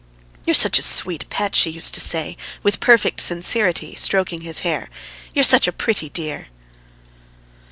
"You're such a sweet pet!" she used to say with perfect sincerity, stroking his hair. "You're such a pretty dear!"